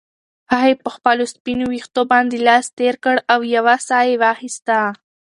هغې په خپلو سپینو ویښتو باندې لاس تېر کړ او یوه ساه یې واخیسته.